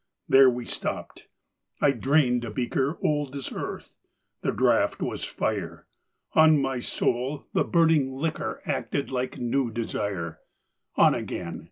There we stopped. I drained a beaker Old as Earth: the draught was fire: On my soul the burning liquor Acted like a new desire. On again!